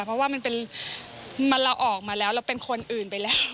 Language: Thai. เพราะว่ามันเป็นเราออกมาแล้วเราเป็นคนอื่นไปแล้ว